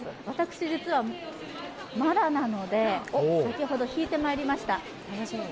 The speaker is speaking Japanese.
私実はまだなので、先ほど引いてまいりました。